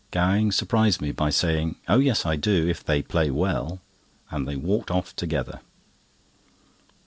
Gowing surprised me by saying: "Oh yes, I do, if they play well," and they walked off together.